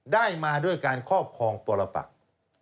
ได้มาด้วยการครอบครองปรปัก